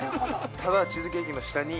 ただ、チーズケーキの下に。